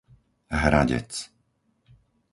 Hradec